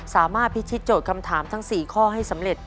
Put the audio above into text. พิชิตโจทย์คำถามทั้ง๔ข้อให้สำเร็จ